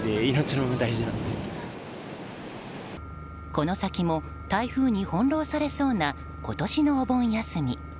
この先も台風に翻弄されそうな今年のお盆休み。